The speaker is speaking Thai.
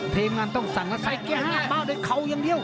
เทมงานต้องสั่งแล้วใส่แก้ห้าบ้าวในเขายังเดียว